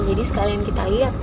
jadi sekalian kita lihat